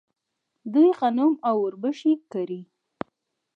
دوی غنم او وربشې کري.